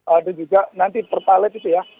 ada juga nanti pertalite itu ya